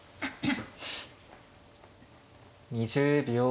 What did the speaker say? ２０秒。